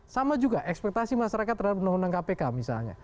sama juga ekspektasi masyarakat terhadap undang undang kpk misalnya